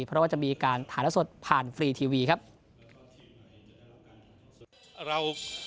เพราะว่าจะมีการถ่ายละสดผ่านฟรีทีวีครับ